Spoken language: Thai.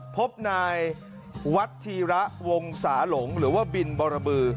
พบนายวัฒีระวงศาหลงหรือว่าบินบรบือ